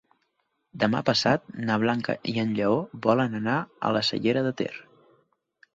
Demà passat na Blanca i en Lleó volen anar a la Cellera de Ter.